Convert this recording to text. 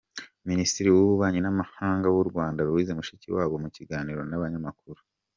Minisitiri w’ububanyi n’amahanga w’ u Rwanda Louise Mushikiwabo mu kiganiro n’Abanyamakuru